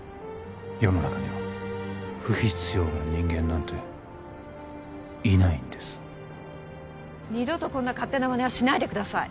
世の中には不必要な人間なんていないんです二度とこんな勝手なまねはしないでください